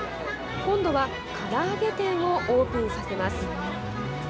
今度はから揚げ店をオープンさせます。